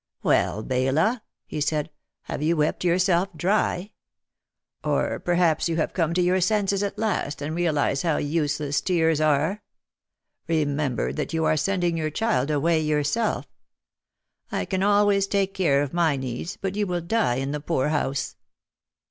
"Well, Baila!" he said. "Have you wept yourself dry? Or perhaps you have come to your senses at last and realise how useless tears are. Remember, that you are sending your child away yourself. I can always take care of my needs but you will die in the poorhouse."